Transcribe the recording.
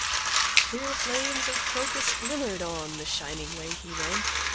Clear flames of Crocus glimmered on The shining way he went.